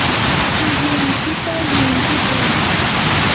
shilluykita llimpikuy.